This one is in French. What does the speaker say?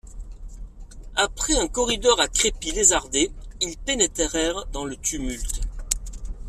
Après un corridor à crépi lézardé, ils pénétrèrent dans le tumulte.